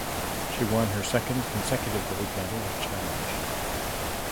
She won her second consecutive gold medal at Challenge.